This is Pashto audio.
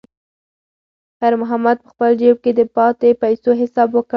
خیر محمد په خپل جېب کې د پاتې پیسو حساب وکړ.